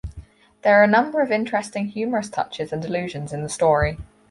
There are a number of interesting humorous touches and allusions in the story.